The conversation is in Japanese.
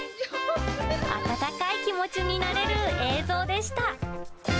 温かい気持ちになれる映像でした。